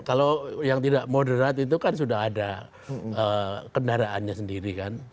kalau yang tidak moderat itu kan sudah ada kendaraannya sendiri kan